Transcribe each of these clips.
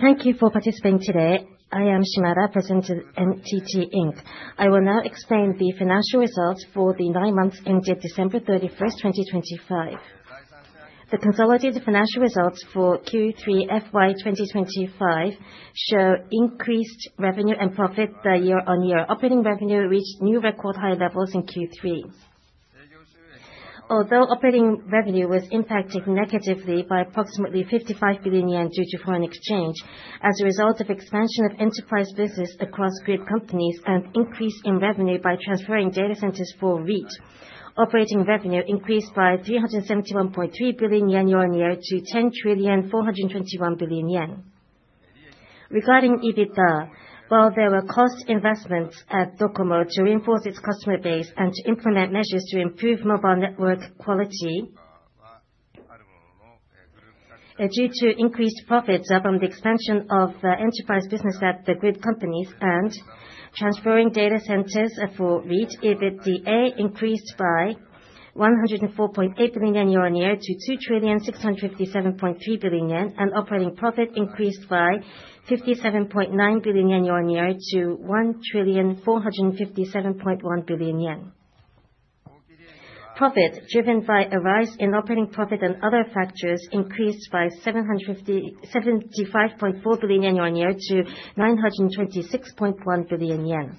Thank you for participating today. I am Shimada, President of NTT Inc. I will now explain the financial results for the nine months ended December 31st, 2025. The consolidated financial results for Q3 FY 2025 show increased revenue and profit year-on-year. Operating revenue reached new record high levels in Q3. Although operating revenue was impacted negatively by approximately 55 billion yen due to foreign exchange, as a result of expansion of enterprise business across group companies and increase in revenue by transferring data centers for REIT, operating revenue increased by 371.3 billion yen year-on-year to 10,421 billion yen. Regarding EBITDA, while there were cost investments at DOCOMO to reinforce its customer base and to implement measures to improve mobile network quality. Due to increased profits from the expansion of enterprise business at the grid companies and transferring data centers for REIT, EBITDA increased by 104.8 billion yen year-on-year to 2,657.3 billion yen. Operating profit increased by 57.9 billion yen year-on-year to 1,457.1 billion yen. Profit, driven by a rise in operating profit and other factors, increased by 75.4 billion yen year-on-year to 926.1 billion yen.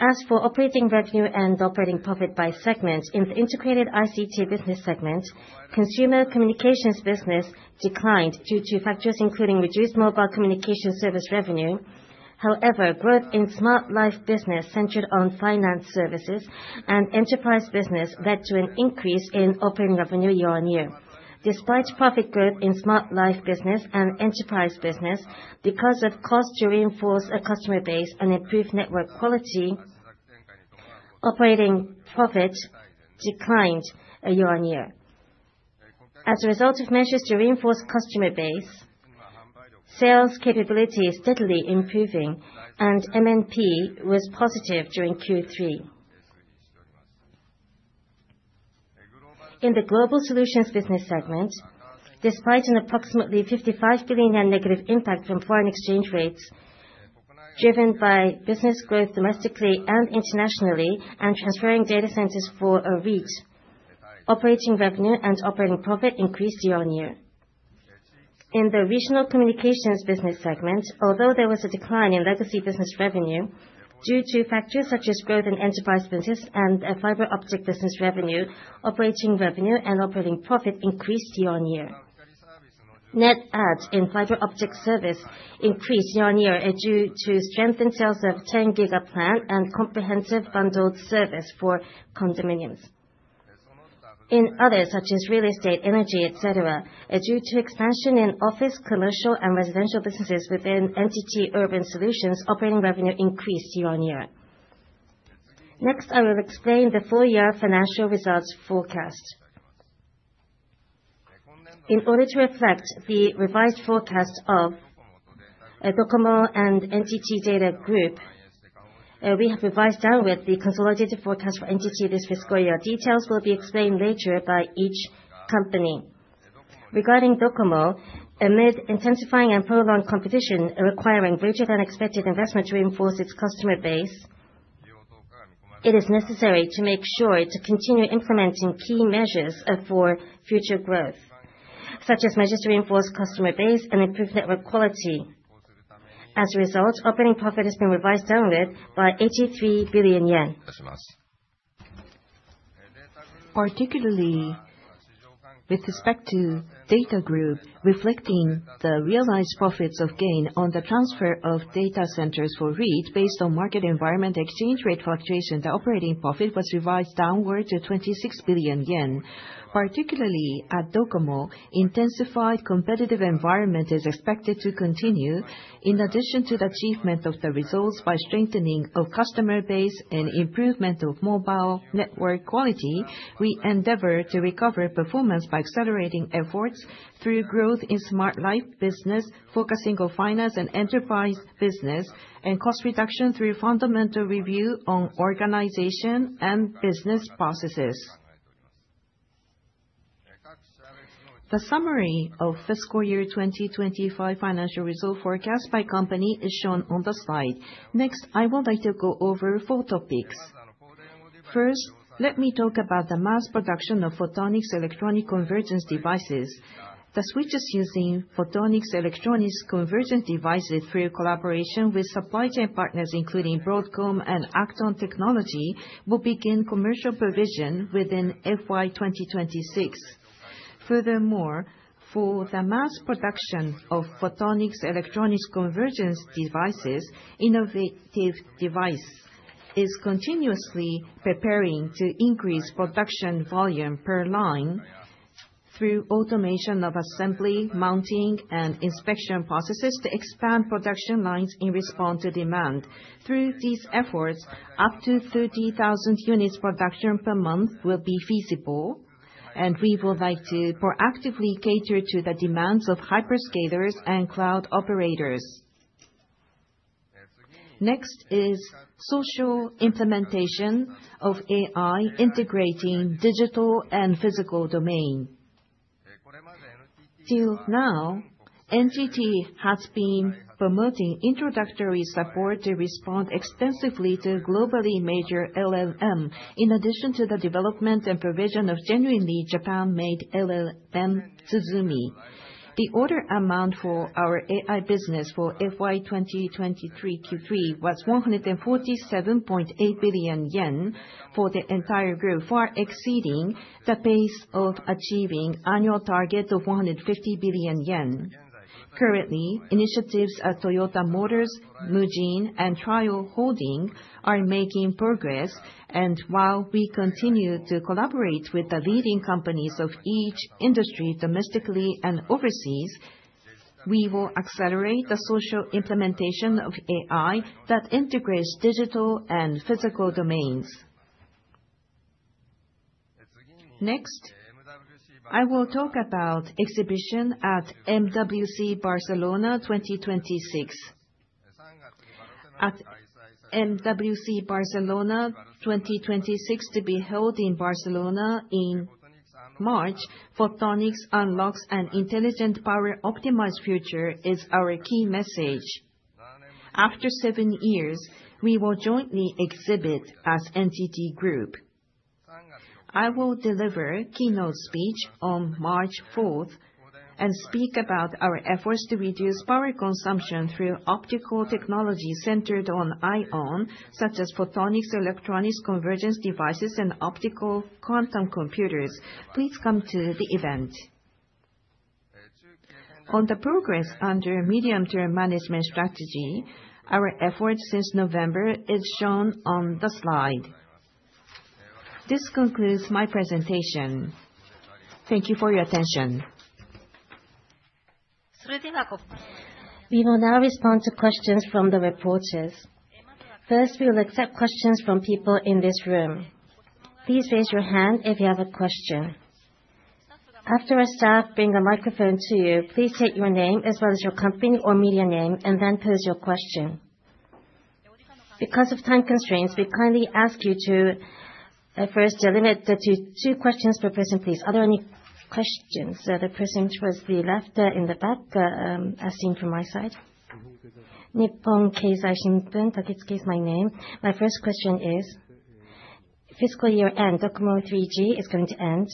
As for operating revenue and operating profit by segment. In the integrated ICT business segment, consumer communications business declined due to factors including reduced mobile communication service revenue. However, growth in Smart Life business centered on finance services and enterprise business led to an increase in operating revenue year-on-year. Despite profit growth in Smart Life business and enterprise business, because of cost to reinforce a customer base and improve network quality, operating profit declined year-on-year. As a result of measures to reinforce customer base, sales capability is steadily improving, and MNP was positive during Q3. In the global solutions business segment, despite an approximately 55 billion yen negative impact from foreign exchange rates, driven by business growth domestically and internationally and transferring data centers for REIT, operating revenue and operating profit increased year-on-year. In the regional communications business segment, although there was a decline in legacy business revenue, due to factors such as growth in enterprise business and fiber optic business revenue, operating revenue and operating profit increased year on year. Net adds in fiber optic service increased year on year, due to strengthened sales of 10 Gbps plan and comprehensive bundled service for condominiums. In other such as real estate, energy, et cetera, due to expansion in office, commercial and residential businesses within NTT Urban Solutions, operating revenue increased year on year. Next, I will explain the full year financial results forecast. In order to reflect the revised forecast of DOCOMO and NTT DATA Group, we have revised down with the consolidated forecast for NTT this fiscal year. Details will be explained later by each company. Regarding DOCOMO, amid intensifying and prolonged competition requiring greater than expected investment to reinforce its customer base, it is necessary to make sure to continue implementing key measures for future growth, such as measures to reinforce customer base and improve network quality. As a result, operating profit has been revised downward by 83 billion yen. Particularly with respect to NTT DATA Group, reflecting the realized profits of gain on the transfer of data centers for REIT based on market environment exchange rate fluctuation, the operating profit was revised downward to 26 billion yen. Particularly at DOCOMO, intensified competitive environment is expected to continue. In addition to the achievement of the results by strengthening of customer base and improvement of mobile network quality, we endeavor to recover performance by accelerating efforts through growth in Smart Life business, focusing on finance and enterprise business and cost reduction through fundamental review on organization and business processes. The summary of fiscal year 2025 financial result forecast by company is shown on the slide. Next, I would like to go over four topics. First, let me talk about the mass production of photonics-electronics convergence devices. The switches using photonics-electronics convergence devices through collaboration with supply chain partners including Broadcom and Accton Technology, will begin commercial provision within FY 2026. Furthermore, for the mass production of photonics-electronics convergence devices, NTT Innovative Devices is continuously preparing to increase production volume per line through automation of assembly, mounting and inspection processes to expand production lines in response to demand. Through these efforts, up to 30,000 units production per month will be feasible. We would like to proactively cater to the demands of hyperscalers and cloud operators. Next is social implementation of AI integrating digital and physical domain. Till now, NTT has been promoting introductory support to respond extensively to globally major LLM, in addition to the development and provision of genuinely Japan-made LLM, tsuzumi. The order amount for our AI business for FY 2023 Q3 was 147.8 billion yen for the entire group, far exceeding the pace of achieving annual target of 150 billion yen. Currently, initiatives at Toyota Motors, Mujin, and TRIAL Holding are making progress. While we continue to collaborate with the leading companies of each industry domestically and overseas, we will accelerate the social implementation of AI that integrates digital and physical domains. Next, I will talk about exhibition at MWC Barcelona 2026. At MWC Barcelona 2026 to be held in Barcelona in March, Photonics Unlocks an Intelligent Power-Optimized Future is our key message. After seven years, we will jointly exhibit as NTT Group. I will deliver keynote speech on March 4th, and speak about our efforts to reduce power consumption through optical technology centered on IOWN, such as photonics-electronics convergence devices, and optical quantum computers. Please come to the event. On the progress under medium-term management strategy, our efforts since November is shown on the slide. This concludes my presentation. Thank you for your attention. We will now respond to questions from the reporters. First, we will accept questions from people in this room. Please raise your hand if you have a question. After a staff bring a microphone to you, please state your name as well as your company or media name, and then pose your question. Because of time constraints, we kindly ask you to first limit it to two questions per person, please. Are there any questions? The person towards the left, in the back, as seen from my side. Nihon Keizai Shimbun, Tatsuki is my name. My first question is, fiscal year-end, DOCOMO 3G is going to end.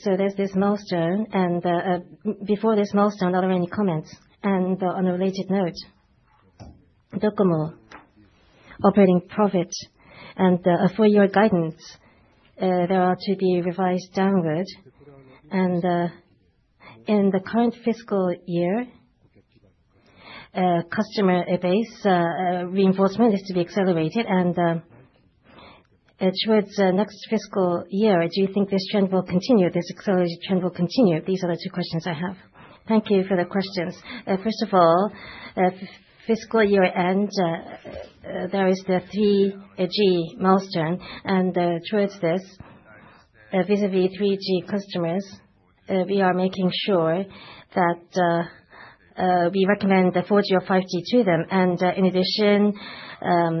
So there's this milestone and before this milestone, are there any comments? On a related note, DOCOMO operating profit and for your guidance, they are to be revised downward. In the current fiscal year, customer base reinforcement is to be accelerated. Towards next fiscal year, do you think this trend will continue, this acceleration trend will continue? These are the two questions I have. Thank you for the questions. First of all, at fiscal year-end, there is the 3G milestone. Towards this, vis-à-vis 3G customers, we are making sure that we recommend the 4G or 5G to them. In addition,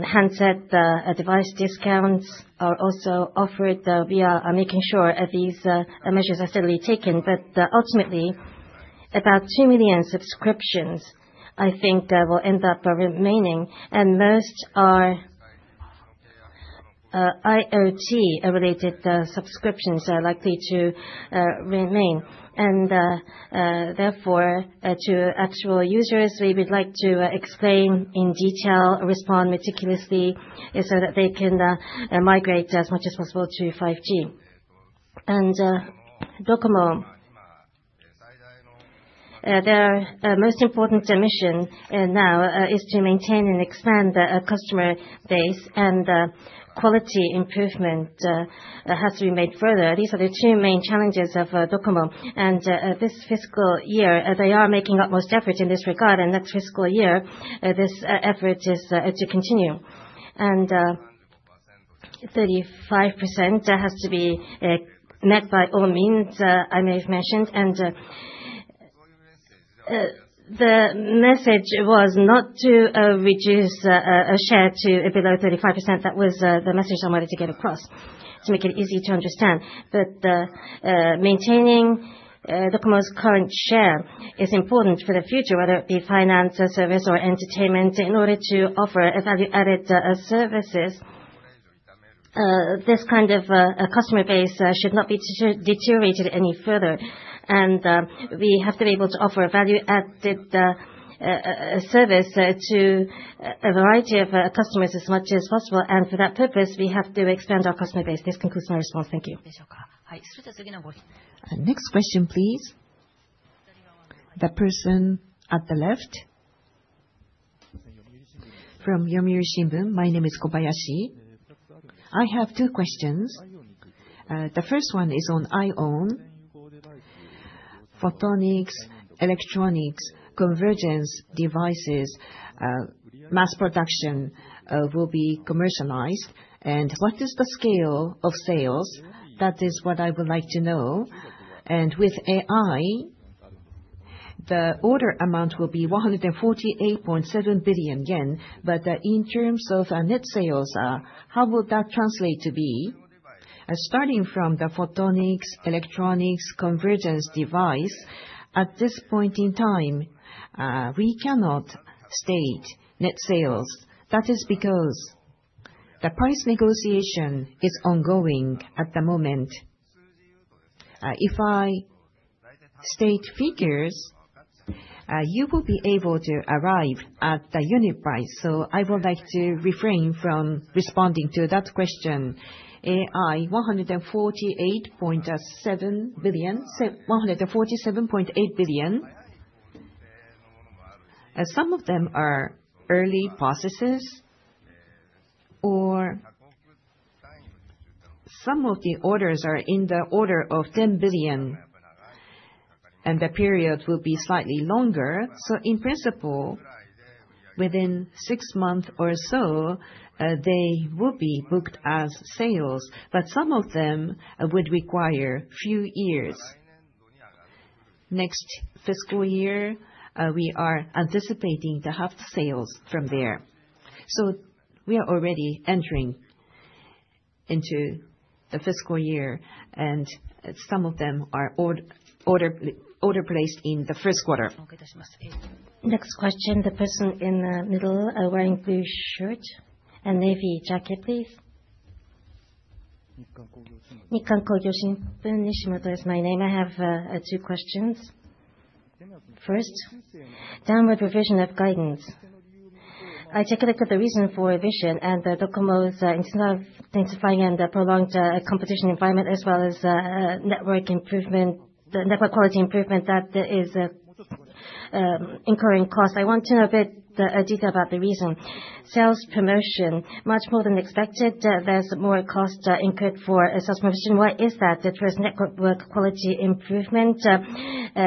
handset device discounts are also offered. We are making sure that these measures are certainly taken. Ultimately, about 2 million subscriptions, I think, will end up remaining. Most are IoT-related subscriptions are likely to remain. Therefore, to actual users, we would like to explain in detail, respond meticulously so that they can migrate as much as possible to 5G. DOCOMO, their most important mission now is to maintain and expand the customer base and quality improvement that has to be made further. These are the two main challenges of DOCOMO. This fiscal year, they are making utmost effort in this regard. Next fiscal year, this effort is to continue. 35% has to be met by all means, I may have mentioned. The message was not to reduce a share to below 35%. That was the message I wanted to get across to make it easy to understand. Maintaining DOCOMO's current share is important for the future, whether it be finance or service or entertainment. In order to offer value-added services, this kind of customer base should not be deteriorated any further. We have to be able to offer a value-added service to a variety of customers as much as possible. For that purpose, we have to expand our customer base. This concludes my response. Thank you. Next question, please. The person at the left. From The Yomiuri Shimbun. My name is Kobayashi. I have two questions. The first one is on IOWN. Photonics-electronics convergence devices mass production will be commercialized. What is the scale of sales? That is what I would like to know. With AI, the order amount will be 148.7 billion yen. In terms of net sales, how would that translate to be? Starting from the photonics-electronics convergence devices, at this point in time, we cannot state net sales. That is because the price negotiation is ongoing at the moment. If I state figures, you will be able to arrive at the unit price. I would like to refrain from responding to that question. AI, 148.7 billion, 147.8 billion. Some of them are early processes, or some of the orders are in the order of 10 billion, and the period will be slightly longer. In principle, within six months or so, they will be booked as sales. Some of them would require few years. Next fiscal year, we are anticipating to have the sales from there. We are already entering into the fiscal year, and some of them are order placed in the first quarter. Next question, the person in the middle, wearing blue shirt and navy jacket, please. Nikkan Kogyo Shimbun. Nishimoto is my name. I have two questions. First, downward revision of guidance. I take a look at the reason for revision and the DOCOMO's internal intensifying and the prolonged competition environment, as well as network improvement, the network quality improvement that there is incurring cost. I want to know a bit detail about the reason. Sales promotion, much more than expected, there's more cost incurred for sales promotion. What is that? The first network, work quality improvement,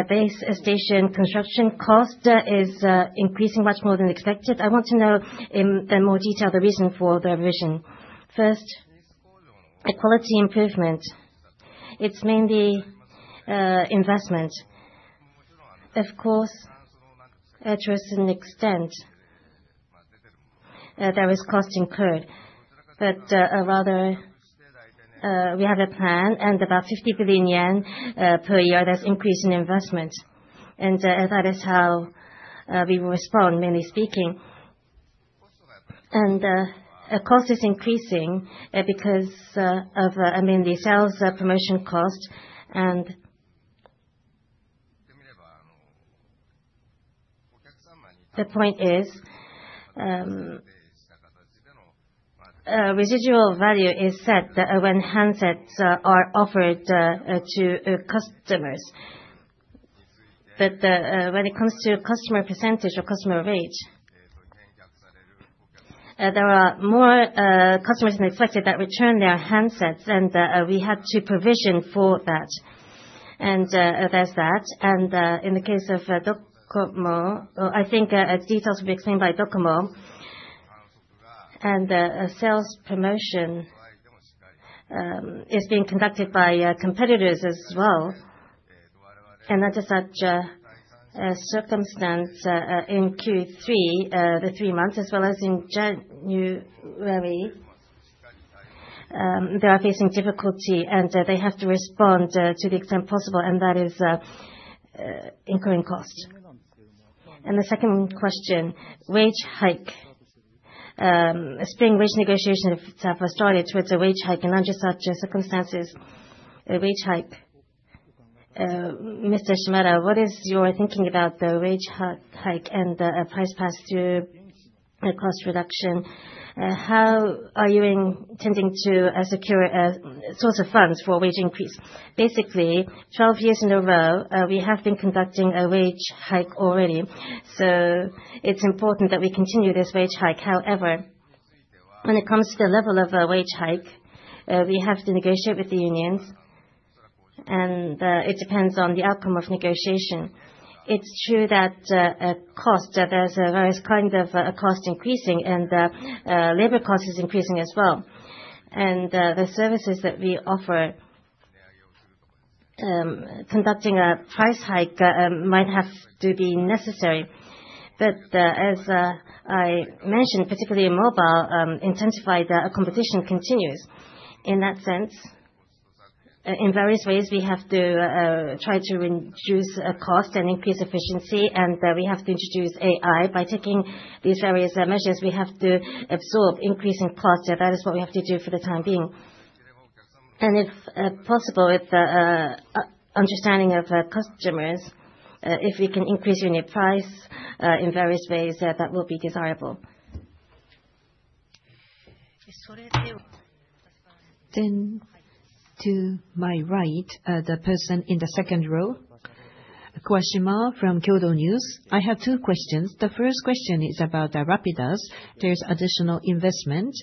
base station construction cost is increasing much more than expected. I want to know in more detail the reason for the revision. First, quality improvement. It's mainly investment. Of course, to a certain extent, there is cost incurred. Rather, we have a plan and about 50 billion yen per year, there's increase in investment. That is how we will respond, mainly speaking. Cost is increasing because of mainly sales promotion costs. The point is, residual value is set when handsets are offered to customers. When it comes to customer percentage or customer rate, there are more customers than expected that return their handsets and we had to provision for that. There's that. In the case of DOCOMO, I think details will be explained by DOCOMO. Sales promotion is being conducted by competitors as well. Under such circumstance, in Q3, the three months, as well as in January, they are facing difficulty and they have to respond to the extent possible, and that is incurring cost. The second question, wage hike. Spring wage negotiation have started with the wage hike. Under such circumstances, a wage hike. Mr. Shimada, what is your thinking about the wage hike and price pass through, cost reduction? How are you intending to secure source of funds for wage increase? Basically, 12 years in a row, we have been conducting a wage hike already. It's important that we continue this wage hike. However, when it comes to the level of a wage hike, we have to negotiate with the unions. It depends on the outcome of negotiation. It's true that cost, there's various kind of cost increasing and labor cost is increasing as well. The services that we offer, conducting a price hike, might have to be necessary. As I mentioned, particularly in mobile, intensified competition continues. In that sense, in various ways, we have to try to reduce cost and increase efficiency, and we have to introduce AI. By taking these various measures, we have to absorb increasing costs. Yeah, that is what we have to do for the time being. If possible, with understanding of customers, if we can increase unit price in various ways, that will be desirable. To my right, the person in the second row. Kawashima from Kyodo News. I have two questions. The first question is about Rapidus. There's additional investment,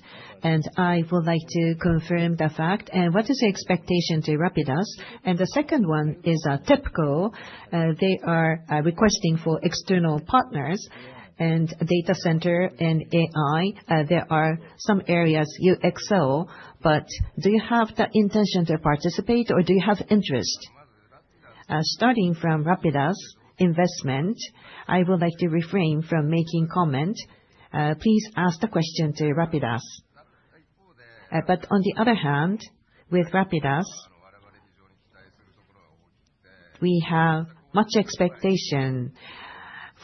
I would like to confirm the fact. What is the expectation to Rapidus? The second one is TEPCO. They are requesting for external partners and data center and AI. There are some areas you excel, but do you have the intention to participate, or do you have interest? Starting from Rapidus investment, I would like to refrain from making comment. Please ask the question to Rapidus. On the other hand, with Rapidus, we have much expectation.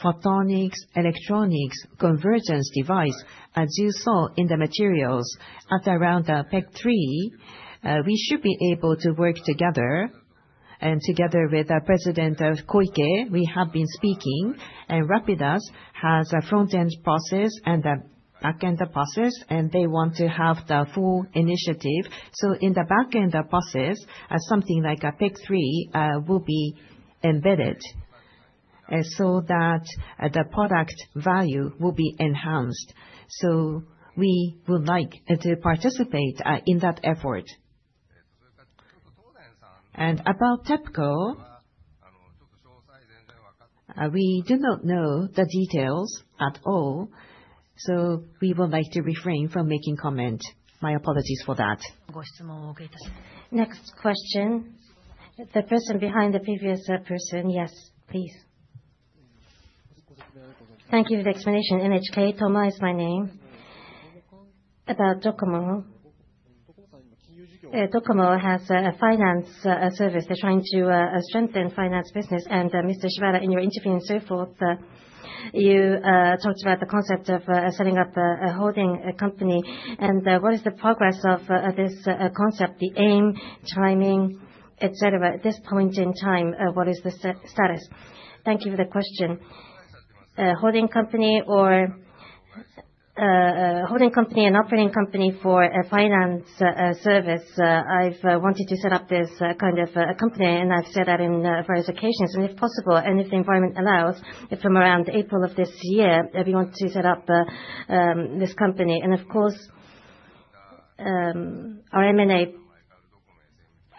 Photonics-electronics convergence device, as you saw in the materials at around PEC-3, we should be able to work together. Together with our President of Koike, we have been speaking. Rapidus has a front-end process and a back-ender process, and they want to have the full initiative. In the back-ender process, something like a PEC-3 will be embedded so that the product value will be enhanced. We would like to participate in that effort. About TEPCO, we do not know the details at all, so we would like to refrain from making comment. My apologies for that. Next question. The person behind the previous person. Yes, please. Thank you for the explanation. NHK, Toma is my name. About DOCOMO. DOCOMO has a finance service. They're trying to strengthen finance business. Mr. Shimada, in your interview and so forth, you talked about the concept of setting up a holding company. What is the progress of this concept? The aim, timing, et cetera, at this point in time, what is the status? Thank you for the question. Holding company or holding company and operating company for a finance service, I've wanted to set up this kind of company, and I've said that in various occasions. If possible, and if the environment allows, from around April of this year, we want to set up this company. Of course, our M&A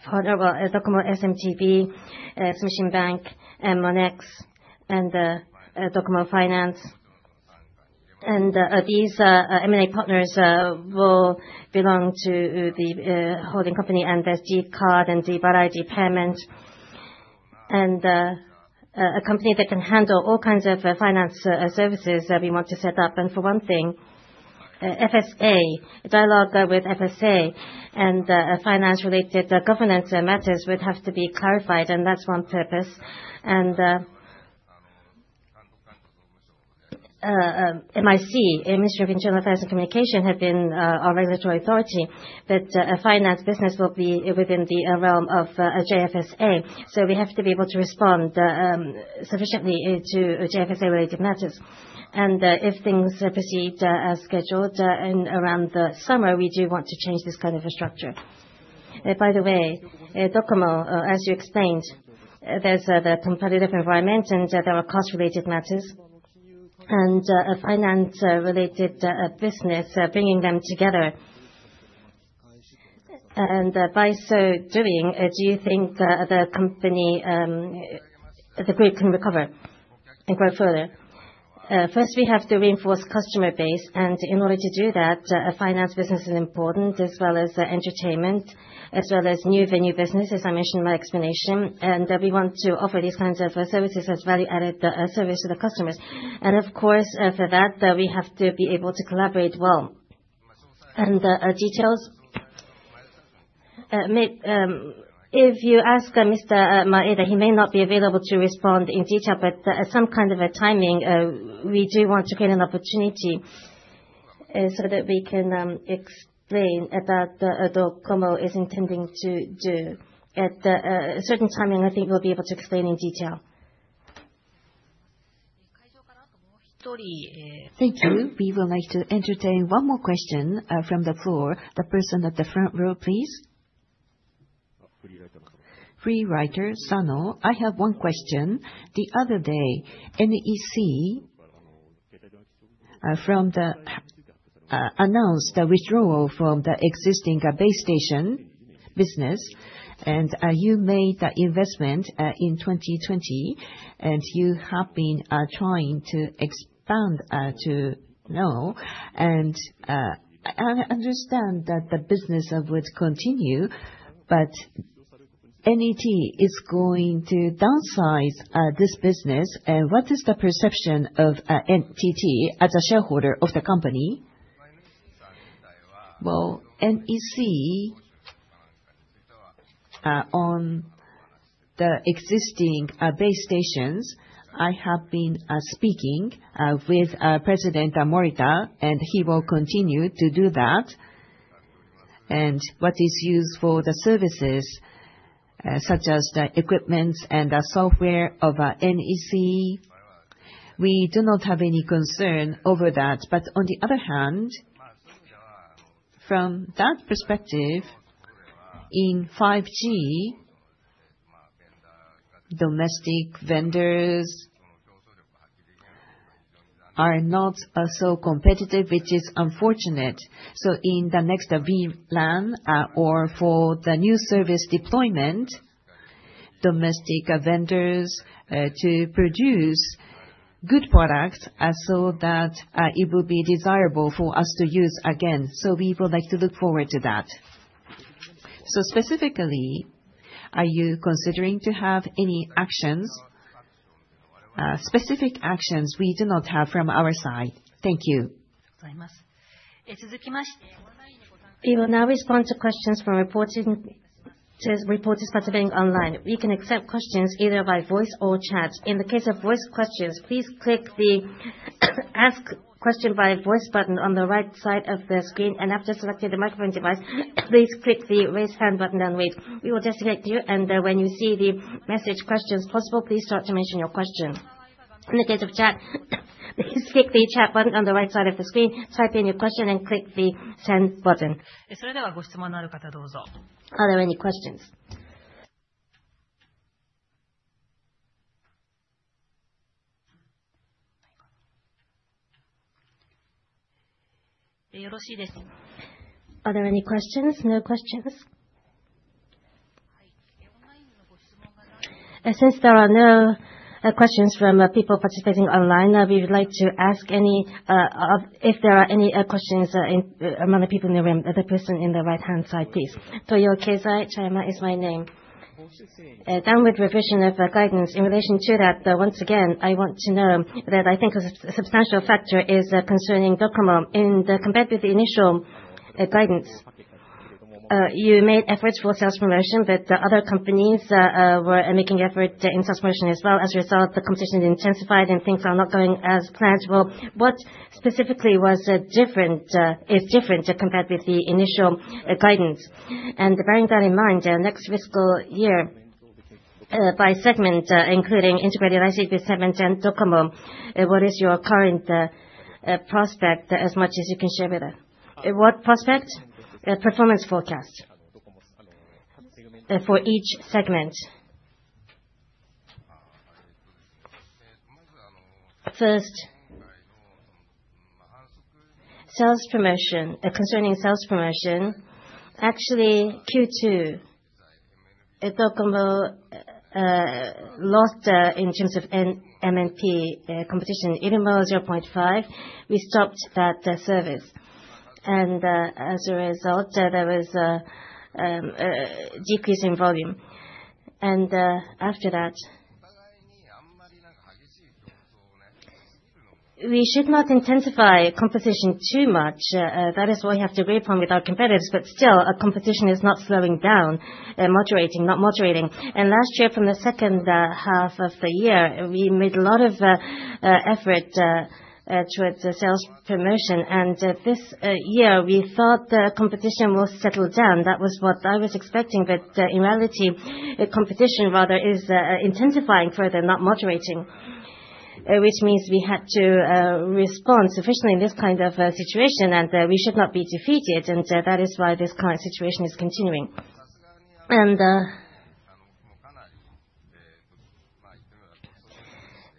partner, DOCOMO, SMBC, Sumishin Bank, Monex, DOCOMO Finance. These M&A partners will belong to the holding company, and there's d CARD and d-barai, d Payment. A company that can handle all kinds of finance services we want to set up. For one thing, FSA, a dialogue with FSA, finance-related governance and matters would have to be clarified, and that's one purpose. MIC, Ministry of Internal Affairs and Communications, have been our regulatory authority. Finance business will be within the realm of JFSA. We have to be able to respond sufficiently to JFSA-related matters. If things proceed as scheduled, in around the summer, we do want to change this kind of a structure. By the way, DOCOMO, as you explained, there's the competitive environment and there are cost-related matters. A finance related business, bringing them together. By so doing, do you think the company, the group can recover and grow further? First we have to reinforce customer base. In order to do that, a finance business is important, as well as entertainment, as well as new venue business, as I mentioned in my explanation. We want to offer these kinds of services as value-added service to the customers. Of course, for that, we have to be able to collaborate well. Details? If you ask Mr. Maeda, he may not be available to respond in detail, but at some kind of a timing, we do want to get an opportunity so that we can explain about the DOCOMO is intending to do. At a certain timing, I think we'll be able to explain in detail. Thank you. We would like to entertain one more question from the floor. The person at the front row, please. Free writer, Sano. I have one question. The other day, NEC announced a withdrawal from the existing base station business. You made the investment in 2020, and you have been trying to expand to now. I understand that the business would continue, but NEC is going to downsize this business. What is the perception of NTT as a shareholder of the company? Well, NEC, on the existing base stations, I have been speaking with President Morita, and he will continue to do that. What is used for the services, such as the equipments and the software of NEC, we do not have any concern over that. On the other hand, from that perspective, in 5G, domestic vendors are not so competitive, which is unfortunate. In the next V plan, or for the new service deployment, domestic vendors to produce good product, so that it will be desirable for us to use again. We would like to look forward to that. Specifically, are you considering to have any actions? Specific actions we do not have from our side. Thank you. We will now respond to questions from reporters participating online. We can accept questions either by voice or chat. In the case of voice questions, please click the Ask Question via Voice button on the right side of the screen. After selecting the microphone device, please click the Raise Hand button and wait. We will designate you, and when you see the message, "Question is possible," please start to mention your question. In the case of chat, please click the Chat button on the right side of the screen, type in your question, and click the Send button. Are there any questions? Are there any questions? No questions? Since there are no questions from people participating online, we would like to ask if there are any questions among the people in the room. The person in the right-hand side, please. Toyo Keizai, [Chai] is my name. Downward revision of guidance, in relation to that, once again, I want to know that I think a substantial factor is concerning DOCOMO. In the, compared with the initial guidance, you made efforts for sales promotion, but the other companies were making effort in sales promotion as well. As a result, the competition intensified and things are not going as planned. What specifically was different, is different compared with the initial guidance? Bearing that in mind, next fiscal year, by segment, including integrated ICT segment and DOCOMO, what is your current prospect as much as you can share with us? What prospect? Performance forecast. For each segment. First, sales promotion. Concerning sales promotion, actually, Q2, DOCOMO lost in terms of MNP competition. Even though 0.5, we stopped that service. As a result, there was a decrease in volume. After that, we should not intensify competition too much. That is what we have to agree upon with our competitors. Still, our competition is not slowing down. Moderating, not moderating. Last year, from the second half of the year, we made a lot of effort towards the sales promotion. This year, we thought the competition will settle down. That was what I was expecting. In reality, the competition rather is intensifying further, not moderating. Which means we had to respond sufficiently in this kind of situation, and we should not be defeated. That is why this current situation is continuing.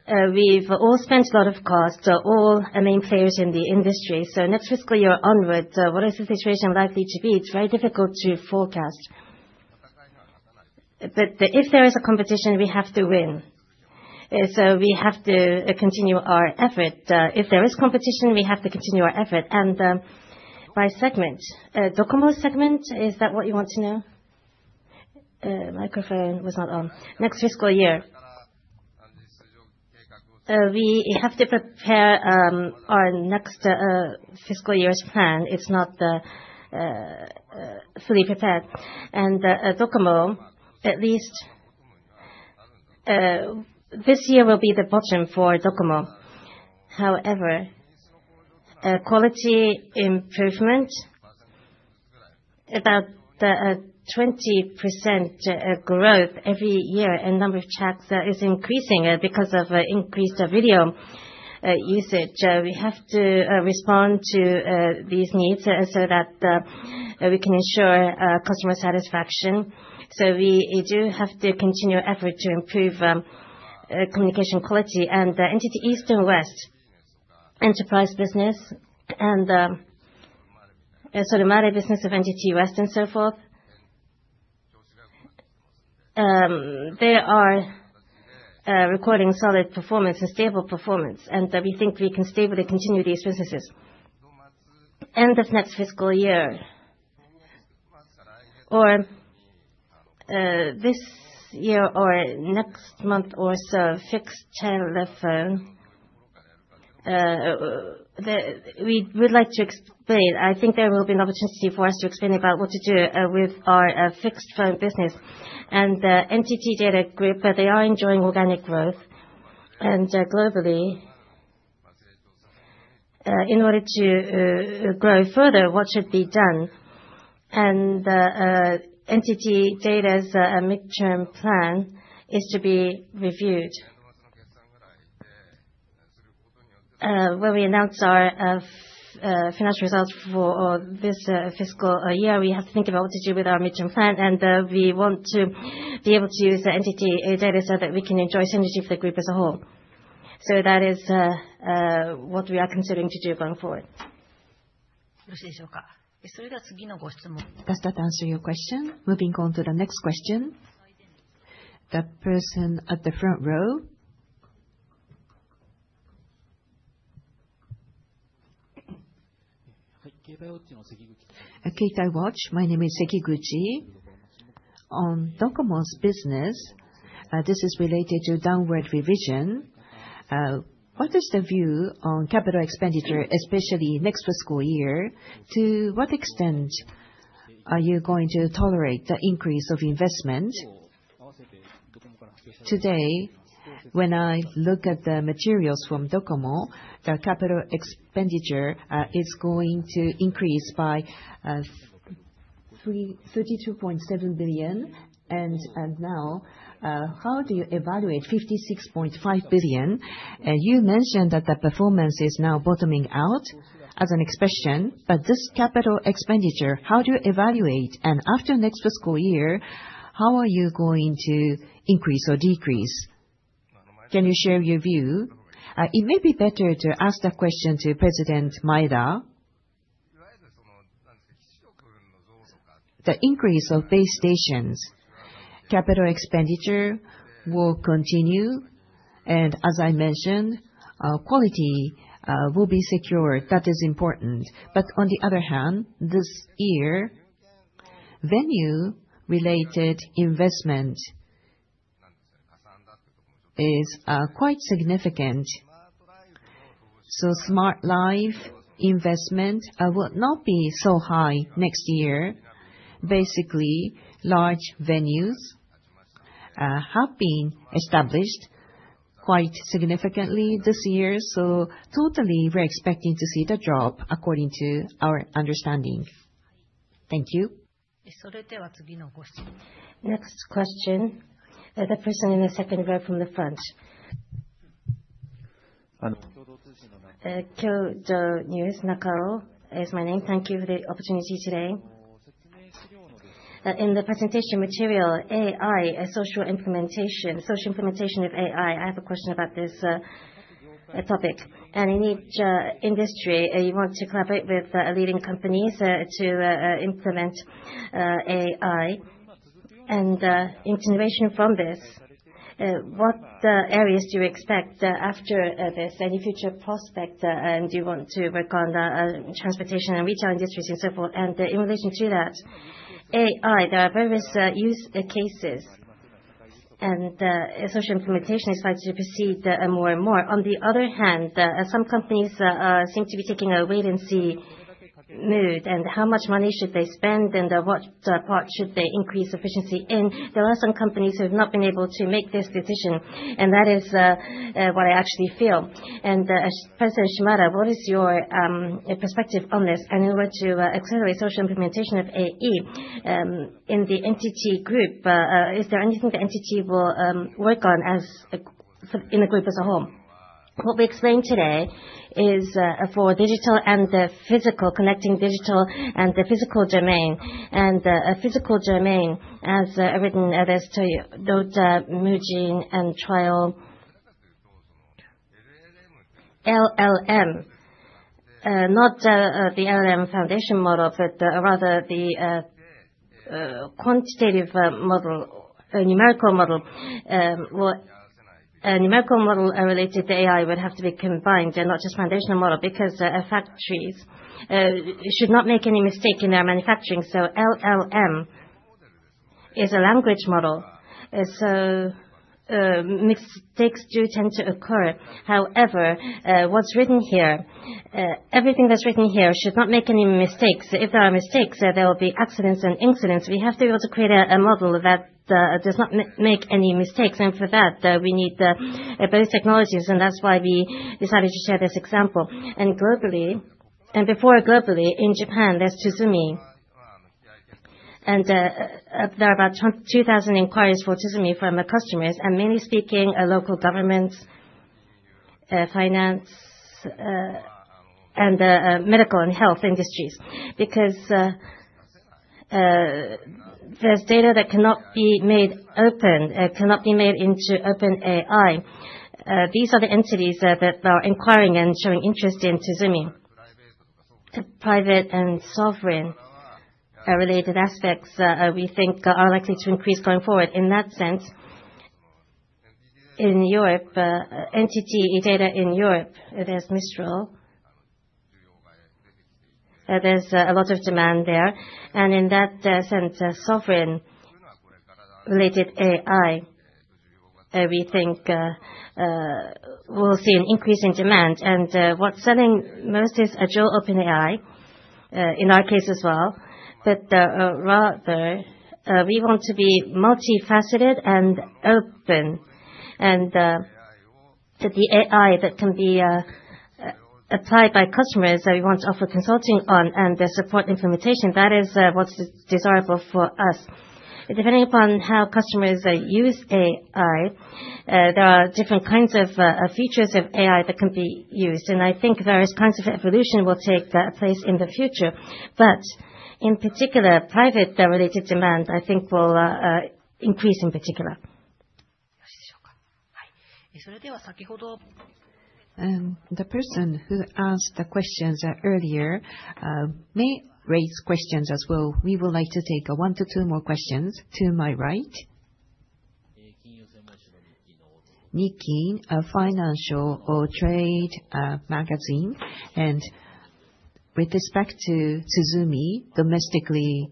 We've all spent a lot of cost, all main players in the industry. Next fiscal year onward, what is the situation likely to be? It's very difficult to forecast. If there is a competition, we have to win. We have to continue our effort. If there is competition, we have to continue our effort. By segment. DOCOMO segment, is that what you want to know? Microphone was not on. Next fiscal year. We have to prepare our next fiscal year's plan. It's not fully prepared. DOCOMO, at least, this year will be the bottom for DOCOMO. However, quality improvement, about 20% growth every year in number of chats, is increasing because of increased video usage. We have to respond to these needs so that we can ensure customer satisfaction. We do have to continue effort to improve communication quality. NTT East and West enterprise business and Solmare business of NTT West and so forth, they are recording solid performance and stable performance, we think we can stably continue these businesses. End of next fiscal year, or this year or next month or so, fixed channel reference, we would like to explain. I think there will be an opportunity for us to explain about what to do with our fixed phone business. NTT DATA Group, they are enjoying organic growth. Globally, in order to grow further, what should be done? NTT DATA's midterm plan is to be reviewed. When we announce our financial results for this fiscal year, we have to think about what to do with our midterm plan. We want to be able to use the NTT DATA so that we can enjoy synergy for the group as a whole. That is what we are considering to do going forward. Does that answer your question? Moving on to the next question. The person at the front row. My name is Sekiguchi. On DOCOMO's business, this is related to downward revision. What is the view on capital expenditure, especially next fiscal year? To what extent are you going to tolerate the increase of investment? Today, when I look at the materials from DOCOMO, the capital expenditure is going to increase by 32.7 billion. Now, how do you evaluate 56.5 billion? You mentioned that the performance is now bottoming out as an expression. This capital expenditure, how do you evaluate? After next fiscal year, how are you going to increase or decrease? Can you share your view? It may be better to ask that question to President Maeda. The increase of base stations, capital expenditure will continue. As I mentioned, quality will be secured. That is important. On the other hand, this year, venue-related investment is quite significant. Smart Life investment will not be so high next year. Basically, large venues have been established quite significantly this year. Totally, we're expecting to see the drop according to our understanding. Thank you. Next question. The person in the second row from the front. Kyodo News, Nakao is my name. Thank you for the opportunity today. In the presentation material, AI, social implementation of AI, I have a question about this topic. In each industry, you want to collaborate with leading companies to implement AI. In general from this, what areas do you expect after this? Any future prospect, and do you want to work on the transportation and retail industries and so forth? In relation to that, AI, there are various use cases and social implementation is likely to proceed more and more. On the other hand, some companies seem to be taking a wait-and-see mood. How much money should they spend, and what part should they increase efficiency in? There are some companies who have not been able to make this decision, and that is what I actually feel. President Shimada, what is your perspective on this? In order to accelerate social implementation of AI in the NTT Group, is there anything that NTT will work on as in the group as a whole? What we explained today is for digital and the physical, connecting digital and the physical domain. A physical domain, as everything as to those Mujin and TRIAL LLM. Not the LLM foundation model, but rather the quantitative model, a numerical model. What a numerical model related to AI would have to be combined and not just foundational model because factories should not make any mistake in their manufacturing. LLM is a language model. Mistakes do tend to occur. However, what's written here, everything that's written here should not make any mistakes. If there are mistakes, there will be accidents and incidents. We have to be able to create a model that does not make any mistakes. For that, we need both technologies, and that's why we decided to share this example. Globally, and before globally, in Japan, there's tsuzumi. There are about 2,000 inquiries for tsuzumi from our customers, and mainly speaking, local governments, finance, and medical and health industries. Because there's data that cannot be made open, cannot be made into OpenAI. These are the entities that are inquiring and showing interest in tsuzumi. The private and sovereign related aspects, we think are likely to increase going forward. In that sense, in Europe, NTT Data in Europe, there's Mistral AI. There's a lot of demand there. In that sense, sovereign-related AI, we think we'll see an increase in demand. What's selling most is Azure OpenAI in our case as well. Rather, we want to be multifaceted and open. The AI that can be applied by customers that we want to offer consulting on and support implementation, that is what's desirable for us. Depending upon how customers use AI, there are different kinds of features of AI that can be used. I think various kinds of evolution will take place in the future. In particular, private related demand, I think will increase in particular. The person who asked the questions earlier may raise questions as well. We would like to take one to two more questions to my right. Nikkei, a financial or trade magazine. With respect to tsuzumi, domestically,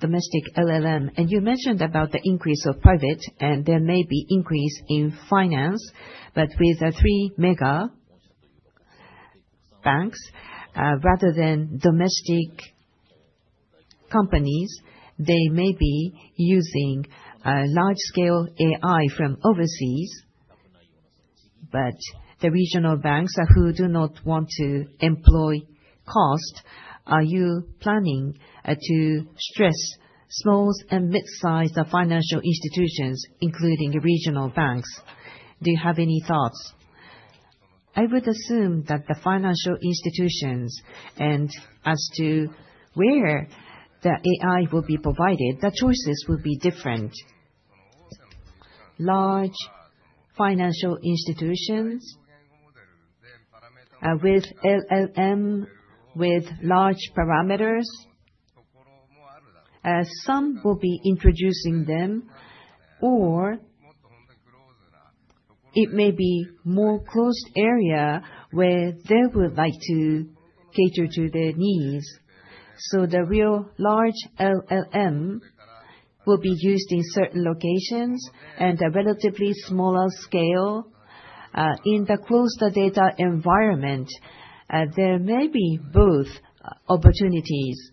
domestic LLM, and you mentioned about the increase of private, and there may be increase in finance. With the three mega banks, rather than domestic companies, they may be using large scale AI from overseas. The regional banks who do not want to employ cost, are you planning to stress small and midsize financial institutions, including regional banks? Do you have any thoughts? I would assume that the financial institutions and as to where the AI will be provided, the choices will be different. Large financial institutions, with LLM, with large parameters, some will be introducing them or it may be more closed area where they would like to cater to their needs. The real large LLM will be used in certain locations and a relatively smaller scale in the closed data environment. There may be both opportunities.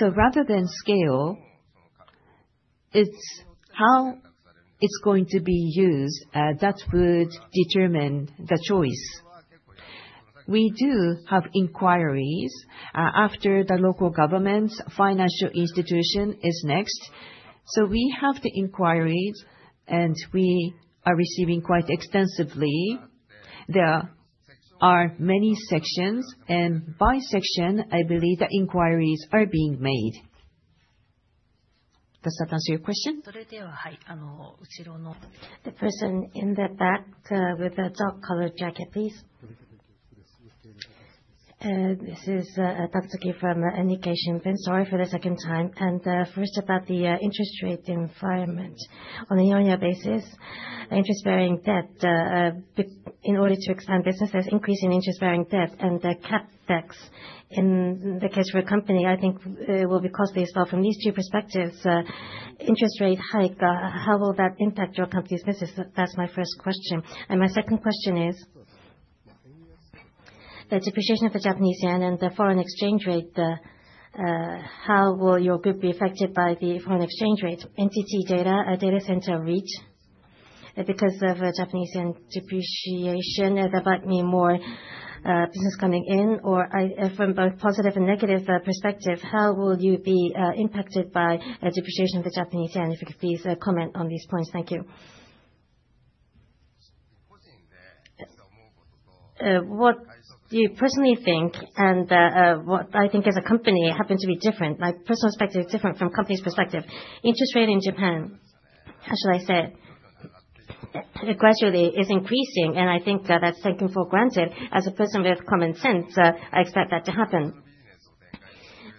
Rather than scale, it's how it's going to be used that would determine the choice. We do have inquiries, after the local government's financial institution is next. We have the inquiries, and we are receiving quite extensively. There are many sections and by section, I believe the inquiries are being made. Does that answer your question? The person in the back, with the dark colored jacket, please. This is Tatsuki from Nihon Keizai Shimbun. Sorry for the second time. First about the interest rate environment. On a year-on-year basis, interest bearing debt, in order to expand businesses, increase in interest bearing debt and the CapEx in the case of a company, I think, will be costly. From these two perspectives, interest rate hike, how will that impact your company's business? That's my first question. My second question is the depreciation of the Japanese yen and the foreign exchange rate, how will your group be affected by the foreign exchange rate? NTT Data, a data center reach, because of Japanese yen depreciation, there might be more business coming in. From both positive and negative perspective, how will you be impacted by depreciation of the Japanese yen? If you could please comment on these points. Thank you. What do you personally think and what I think as a company happen to be different. My personal perspective is different from company's perspective. Interest rate in Japan, how should I say? Gradually is increasing, and I think that that's taken for granted. As a person with common sense, I expect that to happen.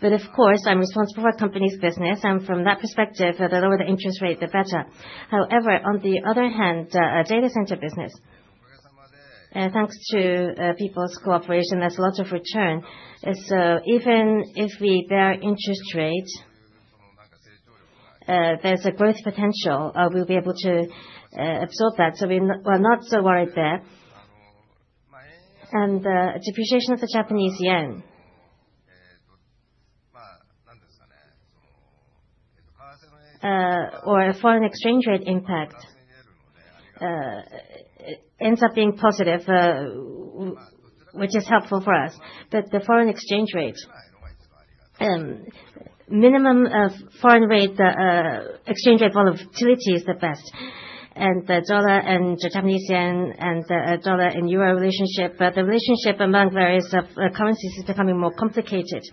Of course, I'm responsible for company's business, and from that perspective, the lower the interest rate, the better. On the other hand, data center business. Thanks to people's cooperation, there's lots of return. Even if we bear interest rates, there's a growth potential, we'll be able to absorb that. We are not so worried there. Depreciation of the Japanese yen. Or foreign exchange rate impact ends up being positive, which is helpful for us. The foreign exchange rate, minimum of foreign rate, exchange rate volatility is the best. The U.S. Dollar and the Japanese yen and the U.S. dollar and euro relationship, the relationship among various currencies is becoming more complicated.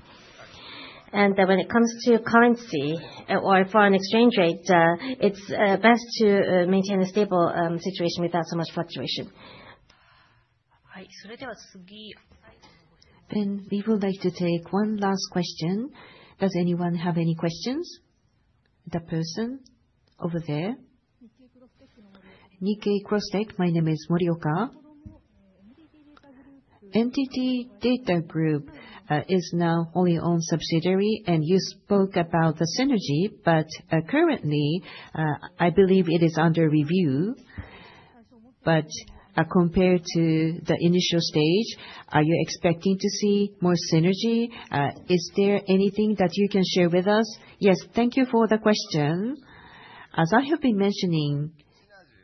When it comes to currency or foreign exchange rate, it's best to maintain a stable situation without so much fluctuation. We would like to take one last question. Does anyone have any questions? The person over there. Nikkei xTECH. My name is Morioka. NTT DATA Group is now wholly owned subsidiary, and you spoke about the synergy. Currently, I believe it is under review. Compared to the initial stage, are you expecting to see more synergy? Is there anything that you can share with us? Yes. Thank you for the question. As I have been mentioning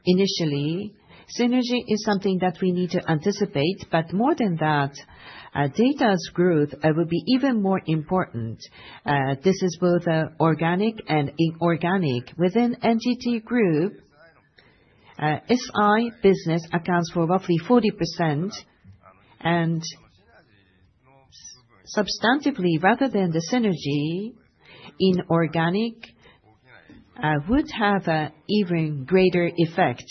initially, synergy is something that we need to anticipate. More than that, data's growth will be even more important. This is both organic and inorganic. Within NTT Group, SI business accounts for roughly 40%. Substantively rather than the synergy, inorganic would have an even greater effect.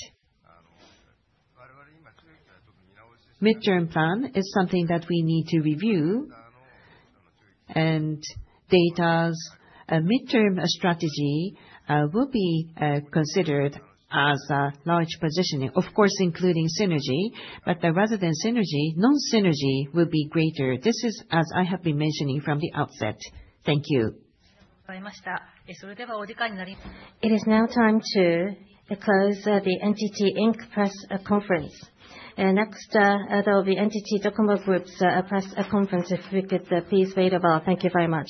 Midterm plan is something that we need to review. Data's midterm strategy will be considered as a large positioning. Of course including synergy, but rather than synergy, non-synergy will be greater. This is as I have been mentioning from the outset. Thank you. It is now time to close the NTT, Inc. press conference. Next, there will be NTT DOCOMO Group's press conference, if we could please wait awhile. Thank you very much